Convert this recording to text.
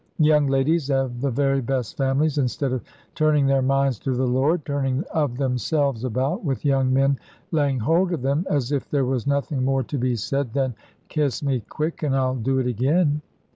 Young ladies of the very best families, instead of turning their minds to the Lord, turning of themselves about, with young men laying hold of them, as if there was nothing more to be said than 'Kiss me quick!' and, 'I'll do it again!'